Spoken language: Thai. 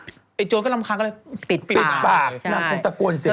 ไอ้โจทย์ก็รำคาก็เลย